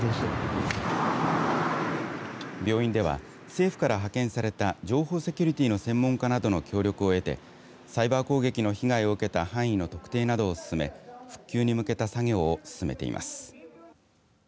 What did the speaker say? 政府から派遣された情報セキュリティーの専門家などの協力を得てサイバー攻撃の被害を受けた範囲の特定などを進め復旧に向けた作業を進めています。